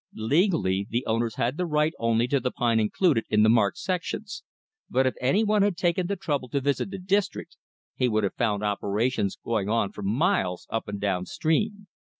Legally the owners had the right only to the pine included in the marked sections; but if anyone had taken the trouble to visit the district, he would have found operations going on for miles up and down stream.